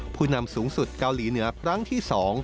ผู้นำสูงสุดเกาหลีเหนือครั้งที่๒